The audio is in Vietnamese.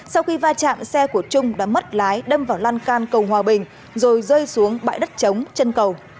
sau khi va chạm xe của trung đã mất lái đâm vào lan can cầu hòa bình rồi rơi xuống bãi đất chống chân cầu